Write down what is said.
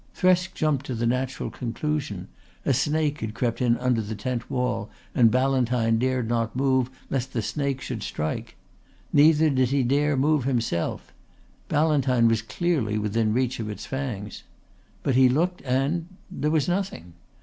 Thresk jumped to the natural conclusion: a snake had crept in under the tent wall and Ballantyne dared not move lest the snake should strike. Neither did he dare to move himself. Ballantyne was clearly within reach of its fangs. But he looked and there was nothing.